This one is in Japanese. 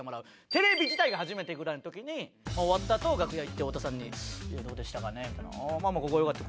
テレビ自体が初めてぐらいの時に終わったあと楽屋行って太田さんに「どうでしたかね？」みたいな。「あまあまあここよかった。